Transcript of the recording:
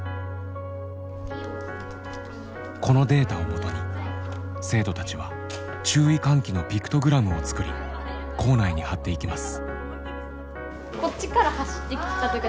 このデータを基に生徒たちは注意喚起のピクトグラムを作り校内に貼っていきます。